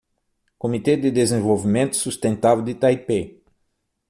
Comitê de Desenvolvimento Sustentável de Taipei